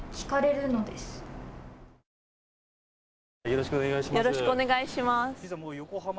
よろしくお願いします。